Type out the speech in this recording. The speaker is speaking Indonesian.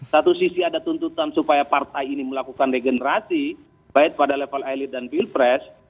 satu sisi ada tuntutan supaya partai ini melakukan regenerasi baik pada level elit dan pilpres